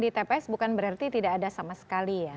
di tps bukan berarti tidak ada sama sekali ya